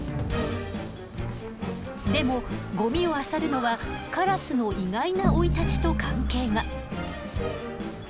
でもゴミをあさるのはカラスの意外な生い立ちと関係が。